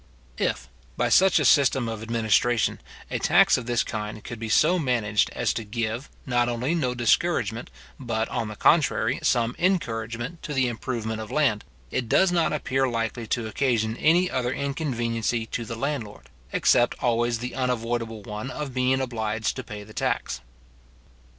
If, by such a system of administration, a tax of this kind could be so managed as to give, not only no discouragement, but, on the contrary, some encouragement to the improvement or land, it does not appear likely to occasion any other inconveniency to the landlord, except always the unavoidable one of being obliged to pay the tax.